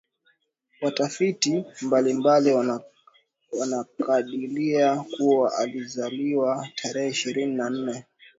watafiti mbalimbali wanakadilia kuwa alizaliwa tarehe ishirini na nne